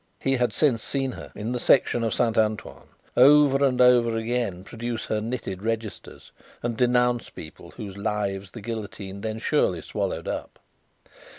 He had since seen her, in the Section of Saint Antoine, over and over again produce her knitted registers, and denounce people whose lives the guillotine then surely swallowed up.